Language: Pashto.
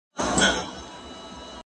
زه پرون باغ ته وم؟!